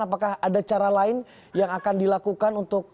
apakah ada cara lain yang akan dilakukan untuk